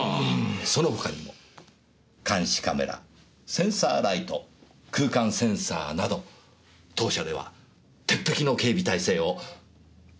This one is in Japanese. その他にも監視カメラセンサーライト空間センサーなど当社では鉄壁の警備体制を。